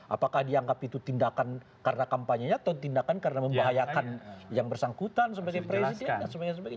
apakah dianggap itu tindakan karena kampanye atau tindakan karena membahayakan yang bersangkutan sebagai presiden